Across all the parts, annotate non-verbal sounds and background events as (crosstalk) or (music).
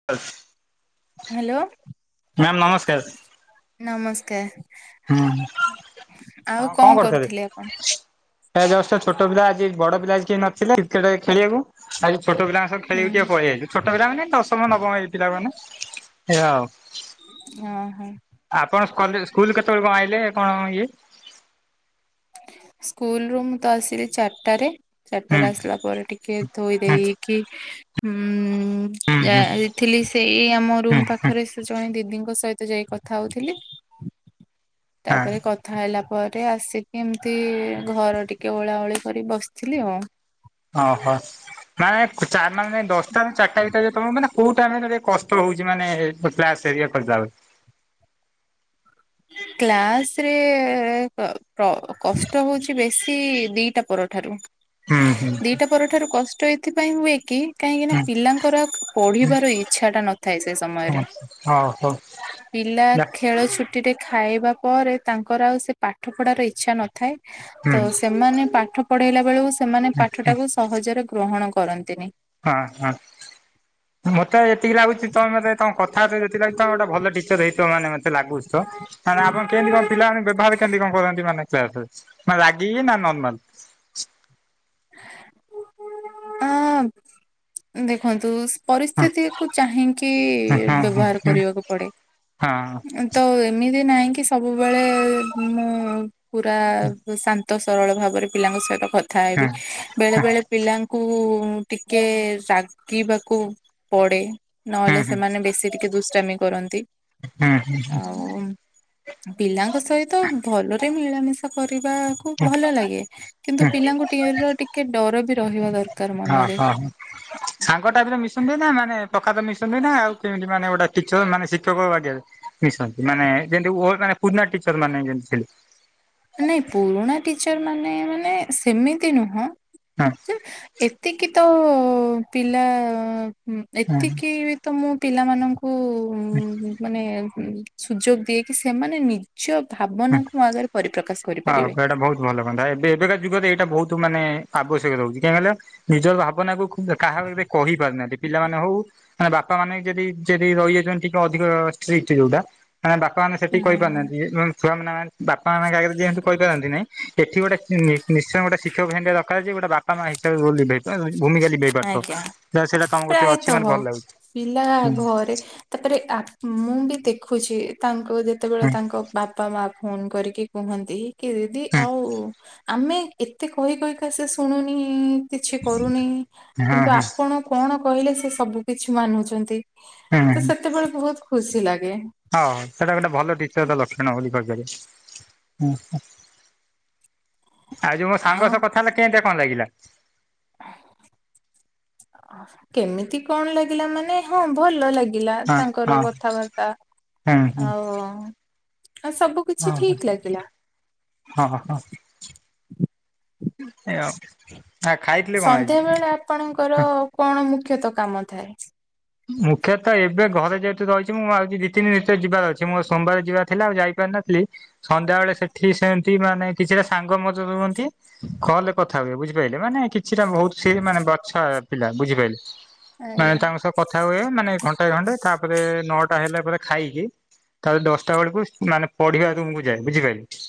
(unintelligible) Hello ma'am ନମସ୍କାର। ନମସ୍କାର। ହୁଁ ଆଉ କଣ କରୁଥିଲେ? ଏ ଜଷ୍ଟ ଛୋଟ ପିଲା ଆଜି ବଡ ପିଲା ଆଜି କେହି ନ ଥିଲେ କ୍ରିକେଟ ଖେଳିବାକୁ ଆଜି ଛୋଟିଲାଙ୍କ ସ ହୁଁ ଖେଳିକି ଟିକେ ପଳେଇଆଇଲୁ ଛୋଟ ପିଲାନେ ଦଶମ ନବମ ଇ ପିଲା ମାନେ ସେଇୟାଉ। ଆଁ ହ ଆପଣ କ ସ୍କୁଲ କେତେବେଳେ କଣ ଆଇଲେ କଣ ଇଏ ସ୍କୁଲ ରୁ ମୁଁ ତ ଆସିଲି ଚାରିଟାରେ। ହୁଁ ଚାରିଟାରେ ଆସିଲା ପରେ ଟିକେ ଧୋଇ ହୁଁ ଦେଇକି ଉଁ ହୁଁ ହୁଁ ଯାଇଥିଲି ସେଇ ଆମ ରୁମ ହୁଁ ହୁଁ ପାଖରେ ଜଣେ ଦିଦିଙ୍କ ସହିତ ଯାଇ କଥା ହଉଥିଲି ହଁ ତାପରେ କ ଥା ହେଲା ପରେ ଆସିକି ଏମତି ଘର ଟିକେ ଓଳା ଓଳି କରି ବସିଥିଲି ଆଉ। ଓହୋ ମାନେ ଚାର ମାନେ ଦଶଟା ଚାରିଟା ଭିତରେ ଯ ତମର ମାନ କୋଉ ଟାଇମ ରା ମାନେ କଷ୍ଟ ହଉଛ ମାନେ କ୍ଲାସ ହେରିକ କରି କ୍ଲାସ ରେ କ କଷ୍ଟ ହଉଛି ବେଶୀ ଦିଟା ପରଠାରୁ। ହୁଁ ହୁଁ ଦିଟା ପର ଠାରୁ କଷ୍ଟ ଏଥିପାଇଁ ହୁଏ କି କାହିଁକି ନା ହୁଁ ପିଲାଙ୍କର ପଢିବାର ଇଚ୍ଛା ଟା ନଥାଏ ସେ ସମୟରେ। ଓହୋ ପିଲା ଯା ଖେଳ ଛୁଟି ଟିରେ ଖାଇବା ପରେ ତାଙ୍କର ଆଉ ସେ ପାଠ ପଢ଼ାର ଇଚ୍ଛା ନଥାଏ। ହୁଁ ତ ସେମାନେ ପାଠ ପଢେଇଲା ବେଳକୁ ସେମାନେ ହୁଁ ପାଠ ହୁଁ ଟାକୁ ସହଜରେ ଗ୍ରହଣ କରନ୍ତିନି। ହଁ ହଁ ମୋତେ ସେତିକି ଲାଗୁଛି ତମ ମତେ ତମ କଥାବାର୍ ଯେତିକ ଲାଗୁ ତେ ଗୋଟେ ଭଲ ଟିଚର ହେଇଥିବ ମାନେ ମତେ ଲାଗୁଛ ତ। ନ ଆପଣ କେମିତି କଣ ପିଲାମାନକୁ ବ୍ୟବହାର କେମିତି କଣ କରନ୍ତି ମାନେ୍ ରାଗିକି ନା ନର୍ମାଲ। ଅ ଦେଖନ୍ତୁ ହଁ ପରିସ୍ଥିତିକୁ ଚାହିଁକି ହଁ ହଁ ହଁ। ବ୍ୟବହାର କରିବାକୁ ପଡେ। ହୁଁ ତ ଏମିତି ନାହିଁ କି ସବୁବେଳେ ମୁଁ ପୁରା ଶାନ୍ତ ତ ସରଳ ଭାବରେ ପିଲାଙ୍କ ସହିତ କଥା ହେବି ବେଳେ ବେଳେ ପିଲାଙ୍କୁ ଟିକେ ରାଗିବାକୁ ପଡେ। ନହେଲେ ହୁଁ ହୁଁ ସେମାନେ ବେଶୀ ଟିକେ ଦୁଷ୍ଟାମୀ କରନ୍ତି ହୁଁ ହୁଁ ହୁଁ ଆଉ ପିଲାଙ୍କ ସହିତ ଭଲରେ ମିଳାମିଶା କରିବା ଭଲ ଲାଗେ କିନ୍ତୁ ହୁଁ। ପିଲାଙ୍କୁ ଟିକ ର ଟିକେ ଡର ବି ରହିବା ଦରକାର। ଓ ମନରେ ହୋ ସାଙ୍ଗ ଟାଇପରେ ମିଶନ ନା ମାନେ ପ୍ରଖା ମିସ ନା ଆଉ କେମିତି ମାନେ ଗୋଟେ ଟିଚର ମାନେ ଶି ଶିକ୍ଷକ ବାଗିଆ ମିଶନ୍ତି ମାନେ ଯେମିତି ଓ ମାନେ ପୁନା ଟିଚର ମାନେ ଯେମିତି ସେମିତି। ନାଇଁ ପୁରୁଣା ଟିଚର୍ ମାନେ ମାନେ ସେମିତି ନୁହଁ। ହଁ। ଏତିକି ତ ପିଲା ହଁ ଏତିକି ତ ମୁଁ ପିଲାମାନଙ୍କୁ ମାନେ ସୁଯୋଗ ଦିଏ କି ସେମାନେ ନି ଜ ହଁ। ଭାବନାକୁ ମୋ ଆଗରେ ପରିପ୍ରକାଶ ହଁ କରିପାରିବେ। ଏଟା ବୋହୁତ ଭଲ କନ୍ତା ଏବେ ଏବେକା ଯୁଗରେ ଏଇଟା ବୋହୁତ ମାନେ ଆବଶ୍ୟକ ରୋହୁଛି (unintelligible) ନିଜର ଭାବନା କୁ କାହାକୁ (unintelligible) କହି ପାରୁନାହାନ୍ତି ପିଲାମାନେ ହୋଉ ମାନେ ବାପା ମାନେ ଯଦି ଯଦି ରହିଯାଉଚନ୍ତି ଟିକେ ଅଧିକ ଷ୍ଟ୍ରିକ୍ଟୀ ଯୋଉଡ଼ା। (unintelligible) ବାପା ମାନେ ସେତିକି ହୁଁ, କହିପାରୁନାହାନ୍ତି (unintelligible) ଛୁଆ ମାନେ ମାନ୍ ବାପାମାନଙ୍କ ଆଗରେ ଯିଏ ଏନ୍ତି କହିପାରନ୍ତି ନାହିଁ ଏଠି ଗୋଟେ ନି ନିଶ୍ଚୟ ଗୋଟେ ଶିକ୍ଷକ ହେନ୍ତିଆ ଦରକାର ଯେ ଗୋଟେ ବା ବାପା ମାଆ ହିସାବରେ (unintelligible) (unintelligible) ଭୂମିକା ଲିଭେଇ ପାରୁଥୁବ ଆଜ୍ଞା ଯାହା ହୋଉ ସେଇଡ଼ା ତମ କତିରେ ଅଛି ପ୍ରାୟତଃ ମାନେ ଭଲ ଲାଗୁଛି ପିଲା ହୁଁ। ଘରେ ତାପରେ ଆ ମୁଁ ବି ଦେଖୁଛି ତାଙ୍କୁ ହୁଁ ଯେତେବେଳେ ହୁଁ ତାଙ୍କ ବାପା ମା ଫୋନ୍ କରିକି କୁହନ୍ତି କି ଦିଦି ଆଉ ଆମେ ଏତେ କହି କହିକା ସେ ଶୁଣୁନି କିଛି କରୁନି ହୁଁ କିନ୍ତୁ ହୁଁ ଆପଣ କଣ କହିଲେ ସେ ସବୁ କିଛି ମାନୁଛନ୍ତି ତ ସେତେବେଳେ ବୋହୁତ ଖୁସି ଲାଗେ। ହଉ ସେଇଟା ଗୋଟେ ଭଲ ଟିଚର ଲକ୍ଷଣ ବୋଲି କହିପାରିବେ ହୁଁ। ଆଉ ଯୋଉ ମୋ ସାଙ୍ଗ ସହ କଥା ହେଲେ କେମିତିଆ କଣ ଲାଗିଲା? କେମିତି କଣ ଲାଗିଲା ମାନେ ହଁ ଭଲ ଲାଗି ଗିଲା ହଁ ତାଙ୍କର ହଁ କଥାବାର୍ତ୍ତା ହୁଁ ଆଉ ହଁ ସବୁ କିଛି ଅହଁ ଠିକ ଲାଗିଲା ଅହଁ (unintelligible) ସନ୍ଧ୍ୟା ବେଳେ ଆପଣଙ୍କର କଣ ମୁଖ୍ୟତଃ କାମ ଥାଏ? ମୁଖ୍ୟତଃ ଏବେ ଘରେ ଯେହେତୁ ରହିଛି ମୁଁ (unintelligible) ଦି ତିନି ଭିତରେ ଯିବାର ଅଛି ମୋର ସୋମବାର ଯିବା ଥିଲା ଆଉ ଯାଇପାରିନଥିଲି ସନ୍ଧ୍ୟାବୋଳେ ସେଠି ସେନ୍ତି ମାନେ କିଛିଟା ସାଙ୍ଗ ମୋ ସହ ରୁହନ୍ତି। କଲ ରେ କଥା ହୁଏ ବୁଝିପାଇଲେ ମାନେ କି ସେଟା ବୋହୁତ ସେଇ ମାନେ ବଛା ପିଲା ବୁଝିପାଇଲେ ଆଜ୍ଞା। ମାନେ ତାଙ୍କ ସହ କଥା ହୁଏ ମାନେ ଘଣ୍ଟେ ଘଣ୍ଟେ ତାପରେ ନଅଟା ହେଲେ ପରେ ଖାଇକି ତାପରେ ଦଶଟା ବୋଳୁକୁ ମାନେ ପଢିବା ରୁମକୁ ଯାଏ ବୁଝିପାଇଲେ?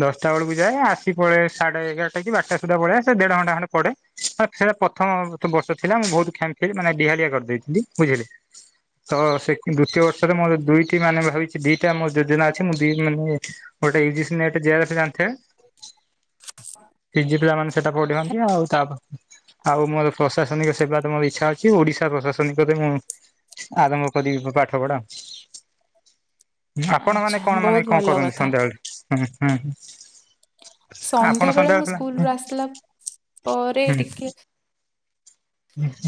ଦଶଟା ବୋଳୁକୁ ଯାଏ ଆସି ପଳେ ସାଢେ ଏଗାରଟା କି ବାରଟା ସୁଦ୍ଧା ପଳେଇ ଆସେ ଦେଢ ଘଣ୍ଟା ଖଣ୍ଡେ ପଢେ। (unintelligible) ସେରା ପ୍ରଥମ ବର୍ଷ ଥିଲା ମୁଁ ବୋହୁତ କ୍ଷ୍ୟାମ୍ ଖାଲି ମାନେ ଡିହାଲିଆ କରିଦେଇଥିଲି ବୁଝିଲେ। ତ ସେ ଦୁତୀୟ ବର୍ଷରେ ମୋରୋ ଦିଇଟି ମାନେ ଭାବିଛି ଦିଟା ମୋ ଯୋଜନା ଅଛି ମୁଁ ଦି ମାନେ ଗୋଟେ ଇଯିସ୍ ନେଟ୍ ଯିବା କଥା ଜାଣିଥେବେ। ପିଜି ପିଲାମାନେ ସେଟା ପଢ଼ିଅନ୍ତି ଆଉ ତା ଆଉ ମୋରୋ ପ୍ରଶାସନିକ ସେବା ତ ମୋରୋ ଇଚ୍ଛା ଅଛି ଓଡିଶା ପ୍ରଶାସ ସନିକରେ ମୁଁ ଆରମ୍ଭ କରିବି ପାଠ ପଢା ଆଉ। ହୁଁ ଆପଣ ମାନେ ଆଚ୍ଛା କଣ ମାନେ ବହୁତ କଁ ଭଲ କରନ୍ତି କଥା ସନ୍ଧ୍ୟାବେଳେ ହୁଁ, ହୁଁ। ଆପଣ ବେଳେ ମୁଁ ସନ୍ଧ୍ୟା ସ୍କୁଲରୁ ଆସିଲା ପରେ (unintelligible) ହୁଁ। ଟିକେ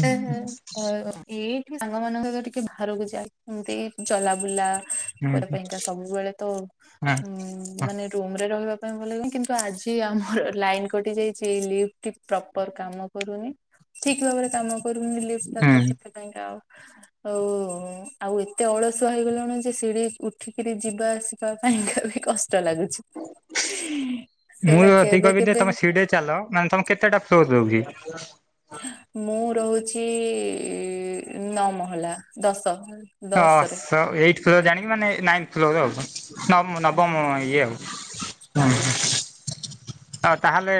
(unintelligible) ଏଇଠି ସାଙ୍ଗ ମାନଙ୍କ ସହ ଟିକେ ବାହାରକୁ ଯାଏ ଏମିତି ଚଲା ବୁଲା କରିବା ପାଇଁ କା ସବୁବୋଳେ ତ ହୁଁ ହୁଁ ଉଁ ମାନେ ରୁମରେ ରହିବା ପାଇଁ ଭଲ ଲାଗେ କିନ୍ତୁ ଆଜି ଆମର ଲାଇନ କଟି ଯାଇଛି ଏଇ ଲିଫ୍ଟ ପ୍ରପର କାମ କରୁନି ଠିକ ଭାବରେ କାମ କରୁନି ଲିଫ୍ଟ ଟା ହୁଁ ତ ସେତେ ଟାଇମ୍ ଆଉ ଆଉ ଆଉ ଏତେ ଅଳସୁଆ ହେଇଗଲୁଣି ଯେ ସିଡି ଉଠିକିରି ଯିବା ଆ ସିବା ପାଇଁ କା ବି କଷ୍ଟ ଲାଗୁଛି। ମୁଁ ସେଇଟା ତ ଏତିିକି କେବେ କହିବି ଯେ କେବେ ତମେ ସିଡିରେ ଚାଲ ମାନେ ତମକୁ କେତେଟା ଫ୍ଲୋର ଦୋଉଚି? ମୁଁ ରୋହୁଛି ନଅ ମହଲା ଦଶ ଦଶରେ। ଶ ଏଇଟ୍ ଫ୍ଲୋର ଜାଣିକି ମାନେ ନାଇନ୍ ଫ୍ଲୋର ଆଉ ନବ ନବମ ଆଜ୍ଞା ଇଏ ଆଉ ଆଜ୍ଞା। ଆଉ ତାହେଲେ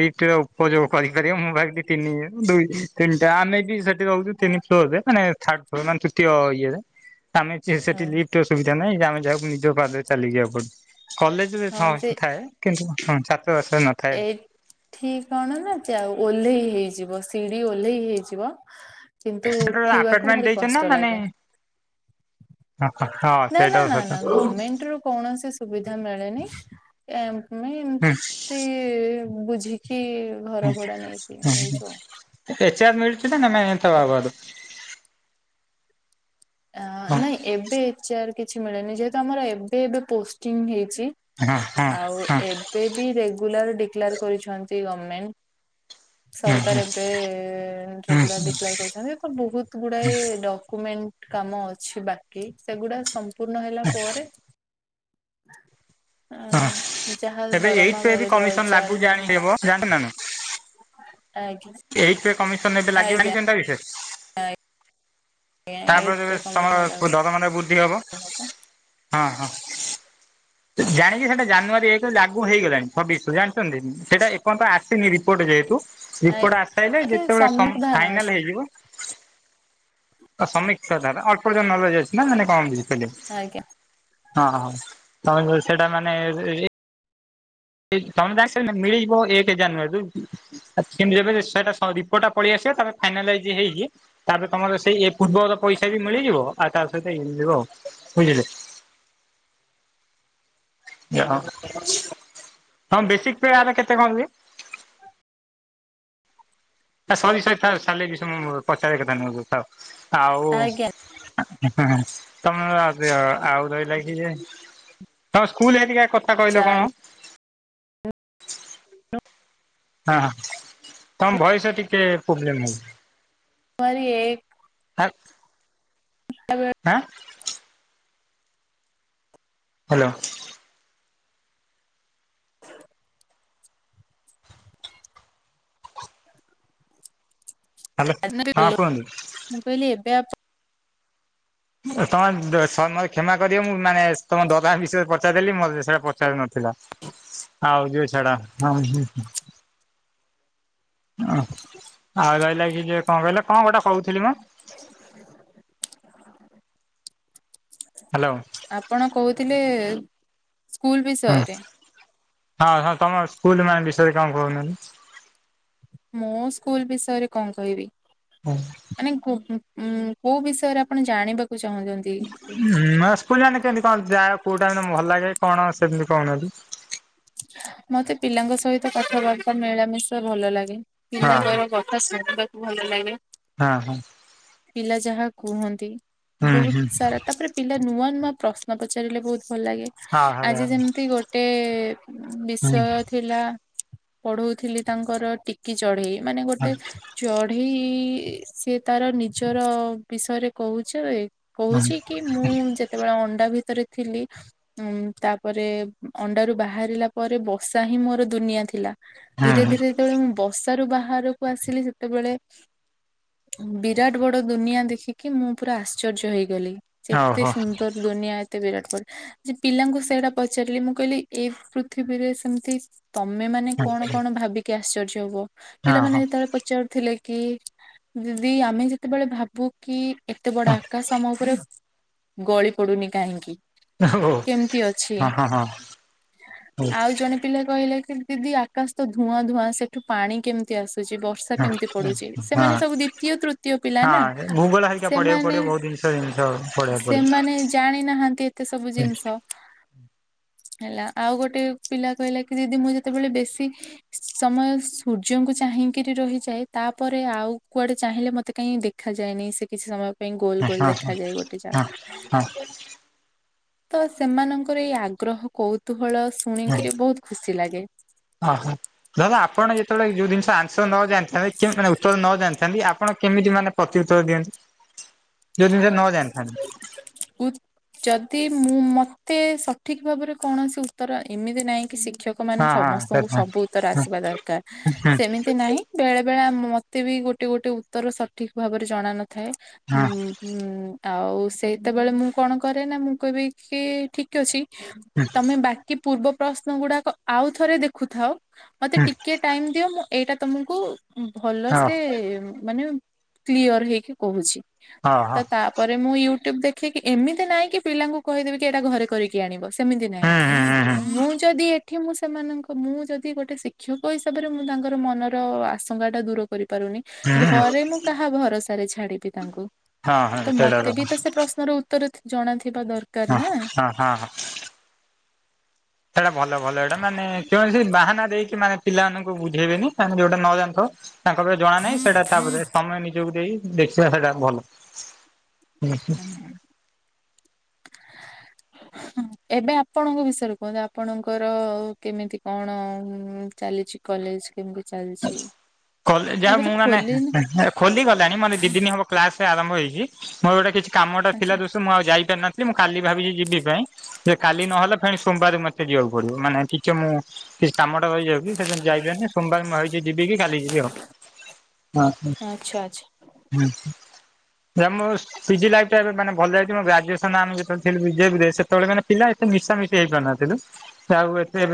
ଲିଫ୍ଟ ର ଉପଯୋଗ କରି କରି ମୁଁ ଭାବିଲି ତିନି, ଦୁଇ ତିନିଟା ଆମେ ବି ସେଠି ରହୁଛୁ ତିନି ଫ୍ଲୋରରେ ମାନେ ଥାର୍ଡ ଫ୍ଲୋର ମାନେ ତୃତୀୟ ଇଏରେ ଆମେ ସେଠି ଲିପଟ ର ସୁବିଧା ନାହିଁ ଯେ ଆମେ ଯାଉ ଯୋଉ ପାଦ ରେ ଚାଲିକି ଯିବାକୁ ପଡୁଚି କଲେଜରେ ହଁ ଥାଏ କିନ୍ତୁ ଛାତ୍ର ବାସ ରେ ନଥାଏ। ଠିକ କଣ ନା ଯାଉ ଓହ୍ଲେଇ ହେଇଯିବ ସିଡିି ଓହ୍ଲେଇ ହେଇଯିବ କିନ୍ତୁ ଉଠିବାକୁ ଆପାର୍ଟମେଣ୍ଟ ଭାରି ଦେଇଛନ୍ତି ନା କଷ୍ଟ ମାନେ ଲାଗେ। ହଁ ନା, ସେଇଟା ନା, ନା, ନା ଗମେଣ୍ଟ ରୁ କୌଣସି ସୁବିଧା ମିଳେନି। ଆମେ ଏମିତି ସତ। କି ବୁଝିକି ଘର ଭଡା ନେଇକି ରହିଛୁ ଆଉ। ଏଚ ଆର ମିଳିଚି ନା ନା ନାଇ ତା ଆ ବାଦ? ନାଇଁ ଏବେ ଏଚ୍ ଏର କିଛି ମିଳେନି ଯେହେତୁ ଆମର ଏବେ ଏବେ ପୋଷ୍ଟିଂ ହେଇଛି। ଆଉ ଏବେ ବି ରେଗୁଲାର ଡିକ୍ଲାର କରିଛନ୍ତି ଗଭର୍ଣମେଣ୍ଟ। ସରକାର ଏବେ ରେଗୁଲାର ଡିକ୍ଲୋର କରିଛନ୍ତି ତ ବହୁତ ଗୁଡାଏ ଡକୁମେଣ୍ଟ କାମ ଅଛି ବାକି ସେଗୁଡା ସମ୍ପୂର୍ଣ୍ଣ ହେଲା ପରେ ହ ଯାହା ଦରମା ମିଳିବ ହେଚ ଆର ମିଳିବ ଯାଆନ୍ତି ନା ନା? ଆଜ୍ଞା। ଏଇଟି ପେ କମିଶନ ଏବେ ଲାଗିବାନି କେନ୍ତା ବିଶେଷ? ଆଇ। ତାପରେ ଯେବେ ଲାଗୁ ତମର ଦରମାଟା ବୃଦ୍ଧି ହବ ହଁ ହଁ। ଜାଣିଚି ସେଇଟା ଜାନୁଆରୀ ଏକରେ ଲାଗୁ ହେଇଗଲାଣି ଛବିଶରୁ ଜାଣିଛନ୍ତି ସେଇଟା ଏପଯର୍ନ୍ତ ଆସିନି ରିପୋର୍ଟ ଯେହେତୁ ଆ ରିପୋର୍ଟ ଆସିସାଇଲେ ଆଜ୍ଞା ଯେତେବେଳେ ସମ୍ୟକ ସମ୍ ଧାରଣା ଅଛି ଫାଇନାଲ ହେଇଯିବ ସମୀକ୍ଷା ଅଳ୍ପର୍ଯ୍ୟନ୍ତ ନ ଅଛି ନା ମାନେ କଣ? ଆଜ୍ଞା (inaudible) ହଁ ହଁ ତମେ ସେଇଟା ମାନେ ଇ ଵ ଇ ତମେ ଯାନିଶ ମିଳିଯିବ ଏକ ଜାନୁଆରି ରୁ ଆ କେମିତି ଯେବେ ରିପୋର୍ଟ ଟା ପଳାଇ ଆସିବ ତାପରେ ଫାଇନାଲା ଇଜ ହେଇକି ତାପରେ ତମର ସେଇ ଏ ପୂର୍ବର ପଇସା ବି ମିଳିଯିବ, ଆଉ ତା ସହିତ ଇଏ ମିଳିବ ବୁଝିଲେ। (inaudible) ହଁ ବେଶିକ ପେ ୟାର କେତେ କଣ ରୁହେ? ସରି ସରି ତାର ସାଲେରି ସମ ରୁ ପଚାରିବା କଥା ନୁହେ ଥାଉ ଆଜ୍ଞା ଆଉ। ତମେ ଆଜି ଆଉ ରହିଲ କି ଯେ ତ ସ୍କୁଲ ହେଟିକା କର କହିଲ କଣ? ଜାନୁଆରୀ ହଁ ହଁ ତମ ଭୟସ ଟିକେ ପ୍ରୋବ୍ଲେମ୍ ହଉଛି। ପରିଏ ହାକ। (unintelligible) ଆଁ। ହାଲୋ। ହ୍ୟାଲୋ ହଁ କୁହନ୍ତୁ। ମୁଁ କହିଲି ଏବେ ଆପ ତମେ ମୋତେ କ୍ଷମା କରିବ ମୁଁ ମାନେ ତମ ଦଦା ବିଷୟରେ ପଚାରିଦେଲି ମୋତେ ସେଇଟା ପଚାର ନଥିଲା। ଆଉଜୁଏ ଛାଡ଼। ଓ ଆଉ ରହିଲା କି ଯ କଣ କହିଲେ କଣ ଗୋଟେ କହୁଥିଲି ମ (unintelligible) ହେଲୋ। ଆପଣ କହୁଥିଲେ ସ୍କୁଲ ବିଷୟରେ। ହଁ ହଁ ତମ ସ୍କୁଲ ମାନେ ବିଷୟରେ କଣ କହୁନାହାନ୍ତି? ମୁଁ ସ୍କୁଲ ବିଷୟରେ କଣ କହିବି? ହଁ। ମାନେ କୁ ଉଁ କୋଉ ବିଷୟରେ ଆପଣ ଜାଣିବାକୁ ଚାହୁଁଛନ୍ତି? ହୁଁ ମାସେ ପୂଜା ନେ କେନ୍ତି କଣ ଯାଏ କୋଉଟା ଭଲ ଲାଗେ କଣ ସେମିତି କହୁନାହାନ୍ତି? ମତେ ପିଲାଙ୍କ ସହିତ କଥାବାର୍ତ୍ତା ମିଳାମିଶା ଭଲ ଲାଗେ। ହଁ ପଲାଙ୍କର କଥା ଶୁଣିବାକୁ ଭଲ ଲାଗେ। ହଁ ହଁ ପିଲା ଯାହା କୁହନ୍ତି ହୁଁ ବହୁତ ହୁଁ ସାରା ତାପରେ ପିଲା ନୂଆ ନୂଆ ପ୍ରଶ୍ନ ପଚାରିଲେ ବହୁତ ଭଲ ଲାଗେ ହଁ ଆଜି ହଉ ଯେମିତି ଗୋଟେ ହୁଁ ବିଷୟ ଥିଲା ପଢଉଥିଲି ତାଙ୍କର ଟିକ୍ କି ଚଢେଇ ମାନେ ଗୋଟେ ଚଢେଇ ସିଏ ତାର ନିଜର ବିଷୟରେ କହୁଚ। ହୁଁ କହୁଛି କି? ମୁଁ ଯେତେବେଳେ ଅଣ୍ଡା ଭିତରେ ଥିଲି ଉ ତାପରେ ଅଣ୍ଡାରୁ ବାହା ବାହାରିଲା ପରେ ବସା ହିଁ ମୋର ଦୁନିଆ ଥିଲା ଧୀରେ ହୁଁ ଧୀରେ ଯେତେବେଳେ ମୁଁ ବସା ରୁ ବାହାରକୁ ଆସିଲି ସେତେବେଳେ ବିରାଟ ବଡ ଦୁନିଆ ଦେଖିକି ମୁଁ ପୁରା ଆଶ୍ଚର୍ଯ୍ୟ ହେଇଗଲି। ଯେତେ ଓହୋ ସୁନ୍ଦର ଦୁନିଆ ଏତେ ବିରାଟ କୋହିଲି ଯେ ପିଲାଙ୍କୁ ସେଇଟା ପଚାରିଲି ମୁଁ କହିଲି ଏଇ ପୃଥିବୀରେ ସେମିତି ତମେ ମାନେ ହଁ କଣ କଣ ଭାବିକି ଆଶ୍ଚର୍ଯ୍ୟ ହୁଅ? ହଁ ପିଲାମାନେ ହଁ ଯେତେବେଳେ ପଚାରୁଥିଲେ କି ଦିଦି ଆମେ ଯେତେବେଳେ ଭାବୁ କି ଏତେ ବଡ ଆକାଶ ଆମ ଉପରେ ଗଳି ପଡୁନି କାହିଁକି? ଓ କେମିତି ଅଛି। ହଁ ହଁ ଆଉ ଜଣେ ପିଲା କହିଲା କି ଦିଦି ଆକାଶ ତ ଧୂଆଁ ଧୂଆଁ ସେଠୁ ପାଣି କେମିତି ଆସୁଛି ବ ର୍ଷା ହଁ କେମିତି ପଡୁଚି ହଁ ସେମାନେ ସବୁ ଦ୍ଵିତୀୟ ତୃତୀୟ ପିଲା ନା ହଁ ଭୂଗୋଳ ହେରିକା ପଢିବାକୁ ସେମାନେ ପଡିବ ବହୁତ ଜିନିଷ ଜିନିଷ ପଢିବାକୁ ପଡିବ। ସେମାନେ ଜାଣି ନାହାନ୍ତି ଏତେ ସବୁ ଜିନିଷ। ହେଲା ଆଉ ଗୋଟେ ପିଲା କହିଲା କି ଦିଦି ମୁଁ ଯେତେବେଳେ ବେଶୀ ସମୟ ସୂର୍ଯ୍ୟଙ୍କୁ ଚାହିଁକିରି ରହିଯାଏ ତାପରେ ଆଉ କୁଆଡେ ଚାହିଁଲେ ମତେ କାଇହିଁ ଦେଖ ଦେଖାଯାଏନି ସେ କିଛି ସମୟ ପାଇଁ ଗୋଲ ହଁ ଗୋଲ ହଁ ହଁ ଦେଖାଯାଏ ଗୋଟେ ଯାଗା। ହଁ ତ ସେମାନଙ୍କର ଏଇ ଆଗ୍ରହ କଉତୁହଳ ହଁ ଶୁଣିକିରି ବହୁତ ଖୁସି ଲାଗେ। ଓହୋ ଧର ଆପଣ ଯେତେବେଳେ ଯୋଉ ଜିନିଷ ଆନ୍ସର ନଜାଣିଥିବେ କି ମାନେ ଉତ୍ତର ନ ଜାଣିଛନ୍ତି ଆ ଆପଣ କେମିତି ମାନେ ପ୍ରତି ଉତ୍ତର ଦିଅନ୍ତୁ ଯୋଉ ଜିନିଷ ନ ଜାଣିଥାନ୍ତି। ଉତ ଯଦି ମୁଁ ମତେ ସଠିକ ଭାବରେ କୌଣସି ଉତ୍ତର ଏମିତି ନାହିଁ କି ଶିକ୍ଷକ କ ମାନେ ହଁ ହଁ। ହଁ ହଁ ସମସ୍ତଙ୍କୁ ସବୁ ଉତ୍ତର ଆସିବା ଦରକାର ସେମିତି ନାହିଁ। ବେଳେ ବେଳେ ମତେ ବି ଗୋଟେ ଗୋଟେ ଉତ୍ତର ସଠିକ ଭାବରେ ଜଣ ନଥାଏ ହଁ ଉଁ ହୁଁ ଆଉ ସେତେବେଳେ ମୁଁ କଣ କରେ ନା ମୁଁ କହିବି କି ଠିକ ଅଛି। ତମେ ବାକି ପୂର୍ବ ପ୍ରଶ୍ନ ଗୁଡାକ ଆଉଥରେ ଦେଖୁଥାଅ ମତେ ଟିକେ ଟାଇମ ଦିଅ ମୁଁ ଏଇଟା ତମକୁ ଭଲ ସେ ମାନେ କ୍ଲିଅର ହେଇକି କହୁଛି ହଁ ହଁ ତ ତା ପରେ ମୁଁ ୟୁଟ୍ୟୁବ ଦେଖିକି ଏମିତି ନାହିଁ କି ପିଲାଙ୍କୁ କହିଦେବି କି ଏଇଟା ଘରେ କରିକି ଆଣିବ। ସେମିତି ହୁଁ ନାହିଁ ହୁଁ ହୁଁ ମୁଁ ଯଦି ଏ ଠି ମୁଁ ସେମାନଙ୍କ ମୁଁ ଯଦି ଗୋଟେ ଶିକ୍ଷକ ହିସାବରେ ମୁଁ ତାଙ୍କର ମନର ଆଶଙ୍କାଟା ଦୂର କରିପାରୁନି। ହୁଁ ହୁଁ ଘରେ ମୁଁ କାହା ଭରସାରେ ଛାଡିବି ତାଙ୍କୁ। ହଁ ହଁ ତ ସେଇଟା ହଁ ମତେ ବି ତ ସେ ପ୍ରଶ୍ନର ଉତ୍ତର ଜଣାଥିବା ଦର୍ ହଁ ହଁ ହଁ ହଁ। ସେଇଟା ଭଲ ଭଲ ଏଇଟା ମାନେ କୌଣସି ବାହାନା ଦେଇକି ମାନେ ପିଲାମାନଙ୍କୁ ବୁଝେଇବେନି ତାଙ୍କୁ ଯୋଉଟା ନ ଜାଣନଥିବ ତାଙ୍କ ପାଇଁ ଜଣା ନାହିଁ ସେଇଟା ତାପରେ ସମୟ ନିଜକୁ ଦେଇ ଦେଖିବା ସେଇଟା ଭଲ। (inaudible) (inaudible) ଏବେ ଆପଣଙ୍କ ବିଷୟରେ କୁହନ୍ତୁ ଆପଣଙ୍କର କେମିତି କଣ ଚାଲିଛି? କଲେଜ କେମିତି ଚାଲିଛି? କଲେଜ ଆଉ ଏବେ ତ ମୁଁ ମାନେ ଖୋଲିନି ଖୋଲିଗଲାଣି ମାନେ ଦିଦିନୀ ହବ କ୍ଲାସ ଆରମ୍ଭ ହେଇଛି ମୋର ଗୋଟେ କିଛି କାମଟା ଥିଲା ଆଚ୍ଛା। ଦୋଷୁ ମୁଁ ଆଉ ଯାଇପାରିନ ଲି ମୁଁ କାଲି ଭାବିଛି ଯିବି ପାଇଁ ଯେ କାଲି ନହେଲେ ଫେଣି ସୋମବାର ମତେ ଯିବାକୁ ପଡ଼ିବ ମାନେ ଟିଚ ମୁଁ କି କାମଟା ରହିଯାଉଛି ସେଥିପାଇଁ ଯାଇପାରିନି ସୋମବାର ମୁ ଛି ଯିିବି କି ଖାଲି ଯିବି ଆଉ ହ ହ। ଆଚ୍ଛା ଆଚ୍ଛା। ନା ମୁ ପିଜି ଲାଇଫ ଟା ଏବେ ମାନେ ଭଲ ଯାଇଛି ମୋ ଗ୍ରାଜୁଏ ଆମେ ଯେତେବେଳେ ବିଜେବିରେ ସେତେବେଳେ ମାନେ ପିଲା ଏତେ ମିଶାମିଶି ହେଇ ପାରୁନଥିଲୁ ଆଉ ଏବେ